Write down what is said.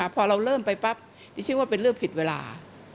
พอเราเริ่มไปปั๊บดิฉันว่าเป็นเรื่องผิดเวลา